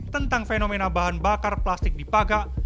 tentang fenomena bahan bakar plastik di pagak